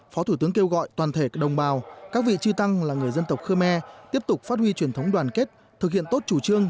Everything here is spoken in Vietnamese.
phó thủ tướng kêu gọi toàn thể đồng bào các vị trư tăng là người dân tộc khơ me tiếp tục phát huy truyền thống đoàn kết thực hiện tốt chủ trương